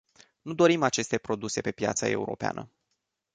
Nu dorim aceste produse pe piața europeană.